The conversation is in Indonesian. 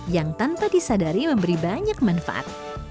yang tanpa disadari memberi banyak manfaat